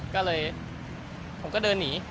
ก็เลยผมก็เดินหนี